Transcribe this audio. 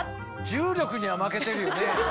重力には負けてるよね？